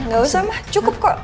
gak usah mah cukup kok